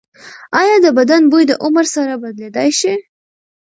ایا د بدن بوی د عمر سره بدلیدلی شي؟